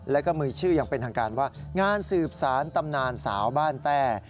แล้วก็มือชื่ออย่างเป็นทางการว่างานสืบสารตำนานสาวบ้านแต้